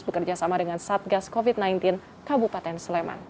bekerja sama dengan satgas covid sembilan belas kabupaten sleman